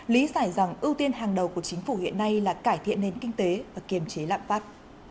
lý giải rằng ưu tiên hàng đầu của chính phủ hiện nay là cải thiện nền kinh tế và kiềm chế lạm phát